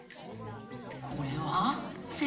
これは「せ」？